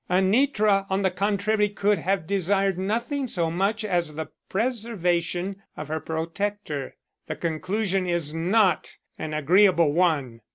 Anitra, on the contrary, could have desired nothing so much as the preservation of her protector. The conclusion is not an agreeable one.